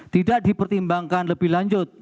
tidak dipertimbangkan lebih lanjut